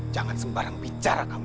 jangan sembarang bicara kamu